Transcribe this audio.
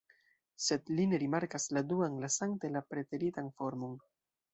Sed li ne rimarkas la duan, lasante la preteritan formon.